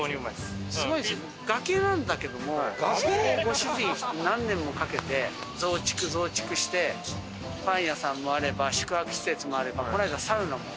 崖なんだけどもそこをご主人何年もかけて増築増築してパン屋さんもあれば宿泊施設もあればこの間はサウナも。